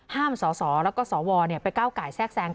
สสแล้วก็สวไปก้าวไก่แทรกแทรง